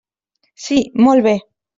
Sí, molt bé.